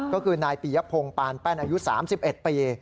ก็คือนายปียพงศ์ปานแป้นอายุ๓๑ปี